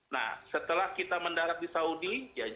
nah setelah kita mendarat di saudi